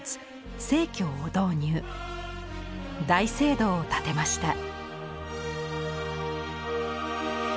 大聖堂を建てました。